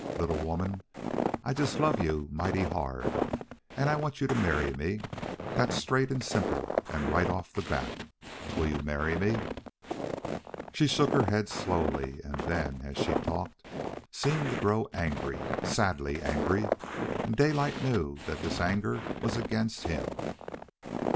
Little woman, I just love you mighty hard, and I want you to marry me. That's straight and simple and right off the bat. Will you marry me?" She shook her head slowly, and then, as she talked, seemed to grow angry, sadly angry; and Daylight knew that this anger was against him.